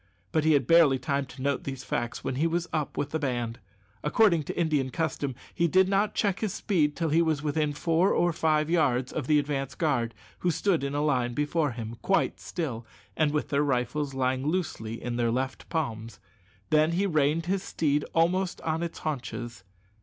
But he had barely time to note these facts when he was up with the band. According to Indian custom, he did not check his speed till he was within four or five yards of the advance guard, who stood in a line before him, quite still, and with their rifles lying loosely in their left palms; then he reined his steed almost on its haunches.